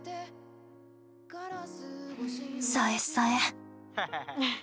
さえっさえ！